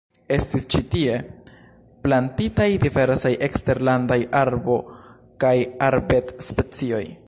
Estis ĉi tie plantitaj diversaj eksterlandaj arbo- kaj arbed-specioj.